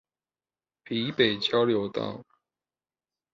埤北交流道